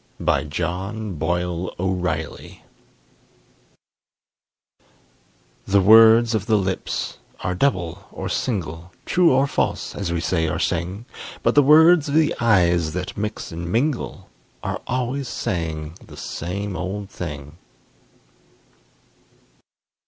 BY JOHN BOYLE O'REILLY The words of the lips are double or single, True or false, as we say or sing: But the words of the eyes that mix and mingle Are always saying the same old thing.